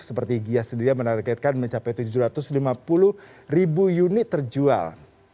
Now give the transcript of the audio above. seperti gia sendiri yang menargetkan mencapai tujuh ratus lima puluh ribu unit terjual